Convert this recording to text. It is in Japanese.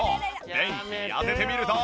便器に当ててみると。